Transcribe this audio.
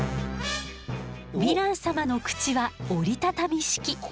ヴィラン様の口は折り畳み式。